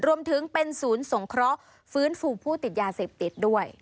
รวมถึงเป็นศูนย์สงเคราะห์ฟื้นฟูผู้ติดยาเสพติดด้วย